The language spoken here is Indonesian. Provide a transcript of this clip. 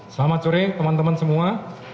selamat sore teman teman semua